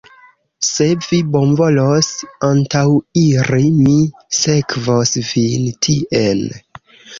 Se vi bonvolos antaŭiri, mi sekvos vin tien.